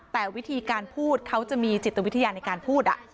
แต่วิธีการพูดเขาจะมีจิตวิทยาในการพูด